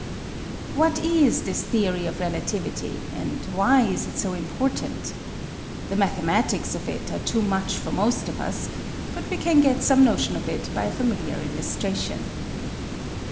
What is this theory of relativity and why is it so important? The mathematics of it are too much for most of us, but we can get some notion of it by a familiar illustration.